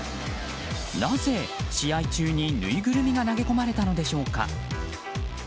なぜ試合中に、ぬいぐるみが投げ込まれたのでしょうか。